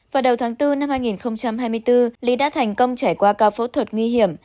vào đầu tháng bốn năm hai nghìn hai mươi bốn ly đã thành công trải qua ca phẫu thuật nguy hiểm